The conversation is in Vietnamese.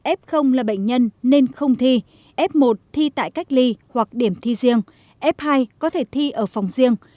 đặc biệt các địa phương là bệnh nhân nên không thi f một thi tại cách ly hoặc điểm thi riêng f hai có thể thi ở phòng riêng